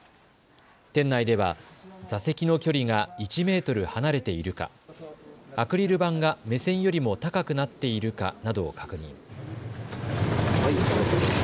店内では座席の距離が１メートル離れているか、アクリル板が目線よりも高くなっているかなどを確認。